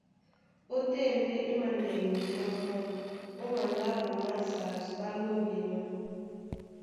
Ótên ndé í mānɛŋgɛnɔ́ mɔ́ ó mandáɓo másadi ɓá lóŋginɔ́.